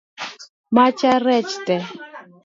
Macha rech tee?